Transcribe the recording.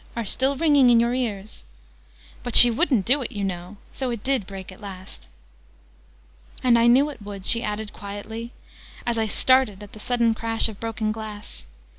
are still ringing in your ears, " but she wouldn't do it, you know. So it did break at last." "And I knew it would!" she added quietly, as I started at the sudden crash of broken glass.